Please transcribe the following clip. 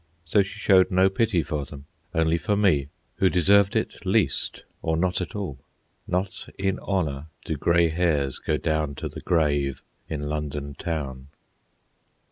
So she showed no pity for them, only for me, who deserved it least or not at all. Not in honour do grey hairs go down to the grave in London Town.